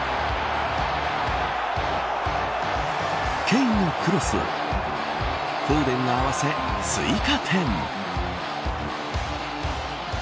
ケインのクロスをフォーデンが合わせ、追加点。